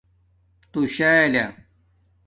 تُݸشلہ